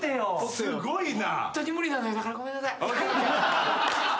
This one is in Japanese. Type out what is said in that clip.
すごいな。